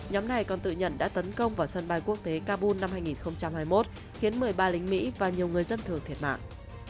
nhóm này còn tự nhận đã tấn công vào sân bay quốc tế kabul năm hai nghìn hai mươi một khiến một mươi ba lính mỹ và nhiều người dân thường thiệt mạng